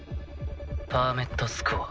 パーメットスコア３。